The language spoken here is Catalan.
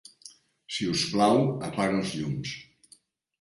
Si us plau, apaga els llums.